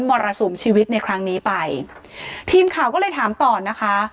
มรสุมชีวิตในครั้งนี้ไปทีมข่าวก็เลยถามต่อนะคะ